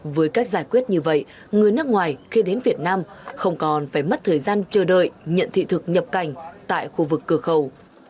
với cách giải quyết như vậy người nước ngoài khi đến việt nam không còn phải mất thời gian chờ đợi nhận thị thực nhập cảnh tại khu vực cửa khẩu